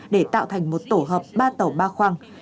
để tạo thành một tổ hợp ba tàu ba khoang